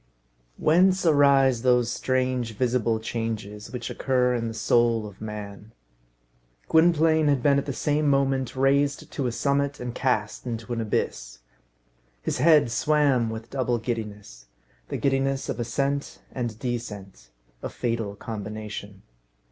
Whence arise those strange, visible changes which occur in the soul of man? Gwynplaine had been at the same moment raised to a summit and cast into an abyss. His head swam with double giddiness the giddiness of ascent and descent. A fatal combination.